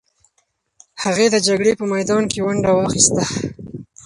هغې د جګړې په میدان کې ونډه واخیسته.